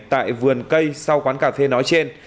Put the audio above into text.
tại vườn cây sau quán cà phê nói trên